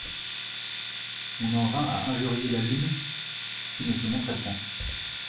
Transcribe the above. On en vint à injurier la Lune qui ne se montrait point.